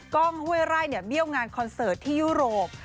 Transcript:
กล้องห้วยไร่เบี้ยวงานคอนเสิร์ตที่ยุโรป